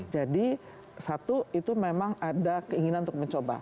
jadi satu itu memang ada keinginan untuk mencoba